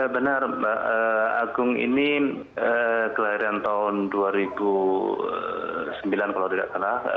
benar mbak agung ini kelahiran tahun dua ribu sembilan kalau tidak salah